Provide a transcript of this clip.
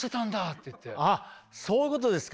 そういうことですか。